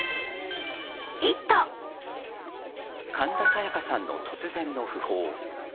神田沙也加さんの突然の訃報。